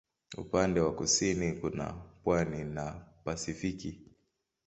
Upande wa kusini kuna pwani na Pasifiki.